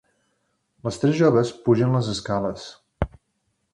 Les tres joves pugen les escales.